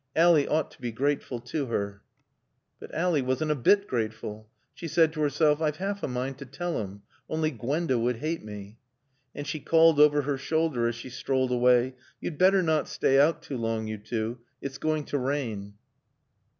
Ally ought to be grateful to her." But Ally wasn't a bit grateful. She said to herself, "I've half a mind to tell him; only Gwenda would hate me." And she called over her shoulder as she strolled away, "You'd better not stay out too long, you two. It's going to rain."